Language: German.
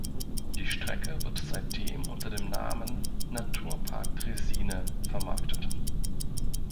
Die Strecke wird seitdem unter dem Namen "Naturpark-Draisine" vermarktet.